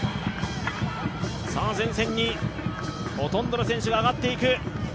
前線にほとんどの選手が上がっていく